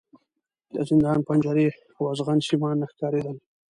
د زندان پنجرې او ازغن سیمان نه ښکارېدل.